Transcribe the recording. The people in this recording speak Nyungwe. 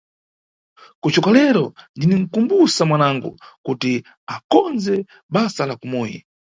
Kucoka lero ndininʼkumbusa mwanangu kuti akondze basa la kumuyi.